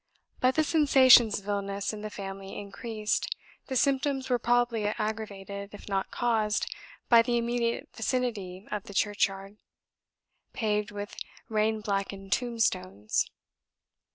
But the sensations of illness in the family increased; the symptoms were probably aggravated, if not caused, by the immediate vicinity of the church yard, "paved with rain blackened tomb stones."